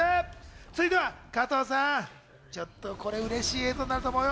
続いては加藤さん、ちょっとこれうれしい映像になると思うよ。